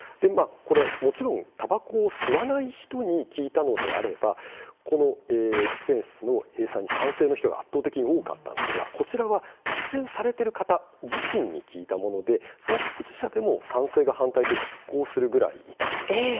もちろんたばこを吸わない人に聞いたのであれば喫煙室の閉鎖に賛成の人が圧倒的に多かったんですがこちらは喫煙されている方自身に聞いたものでその当事者でも賛成と反対がきっ抗するぐらいいたんです。